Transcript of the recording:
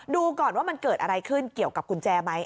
ดูก่อนว่ามันเกิดอะไรขึ้นเกี่ยวกับกุญแจไหม